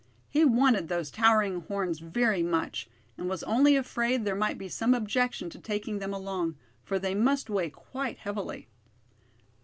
He wanted those towering horns very much, and was only afraid there might be some objection to taking them along, for they must weigh quite heavily.